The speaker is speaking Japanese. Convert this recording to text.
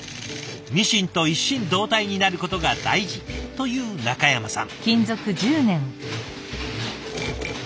ミシンと一心同体になることが大事という中山さん。